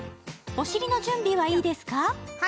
お尻の準備はいいですか？